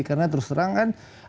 karena terus terang kan